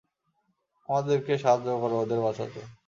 আমাদেরকে সাহায্য করো ওদের বাঁচাতে!